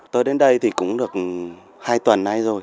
tôi đến đây thì cũng được hai tuần